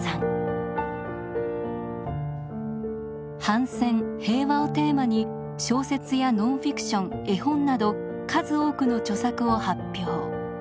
反戦平和をテーマに小説やノンフィクション絵本など数多くの著作を発表。